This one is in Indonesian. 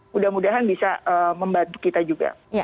mudah mudahan bisa membantu kita juga